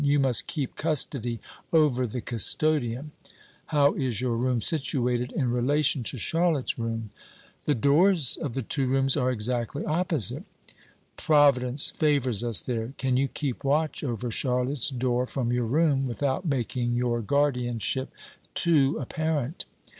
You must keep custody over the custodian. How is your room situated in relation to Charlotte's room?" "The doors of the two rooms are exactly opposite." "Providence favours us there. Can you keep watch over Charlotte's door from your room without making your guardianship too apparent?"